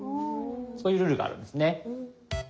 そういうルールがあるんですね。